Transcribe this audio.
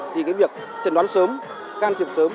thì việc trần đoán sớm can thiệp sớm